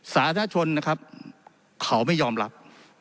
สาธารณชนนะครับเขาไม่ยอมรับ